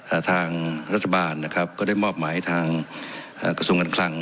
ทางรัฐบาลนะครับก็ได้มอบหมายทางอ่ากระทรวงการคลัง